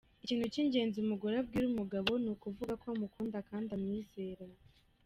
Ikintu cy’ingenzi umugore abwira umugabo ni ukuvuga ko amukunda kandi amwizera.